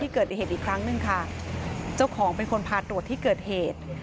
เกิดเหตุอีกครั้งหนึ่งค่ะเจ้าของเป็นคนพาตรวจที่เกิดเหตุ